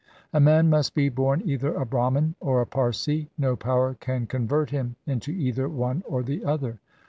A man must be bom either a Brahman or a Parsi; no power can convert him into either one or the other.